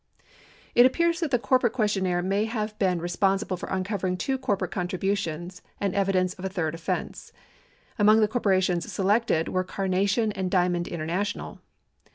It appears that the corporate questionnaire may have been respon sible for uncovering two corporate contributions and evidence of a third offense. Among the corporations selected were Carnation and Diamond International.